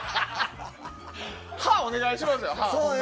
歯をお願いしますよ。